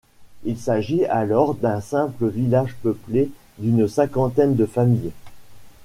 Il s'agit alors d'un simple village peuplé d'une cinquantaine de familles.